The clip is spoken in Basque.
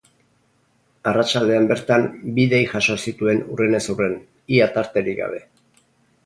Arratsaldean bertan bi dei jaso zituen hurrenez hurren, ia tarterik gabe.